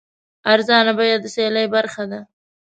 ارزانه بیه د سیالۍ برخه ده.